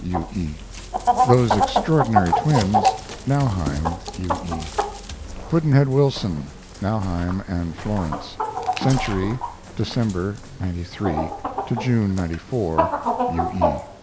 U. E. THOSE EXTRAORDINARY TWINS (Nauheim). U. E. PUDD'NHEAD WILSON (Nauheim and Florence) Century, December, '93, to June, '94 U. E.